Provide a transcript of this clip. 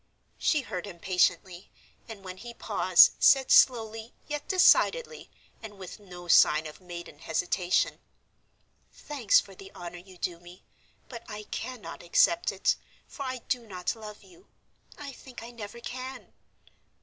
She heard him patiently and, when he paused, said slowly, yet decidedly, and with no sign of maiden hesitation, "Thanks for the honor you do me, but I cannot accept it, for I do not love you. I think I never can."